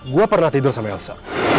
gue pernah tidur sama elsa